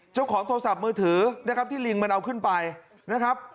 โทรศัพท์มือถือนะครับที่ลิงมันเอาขึ้นไปนะครับ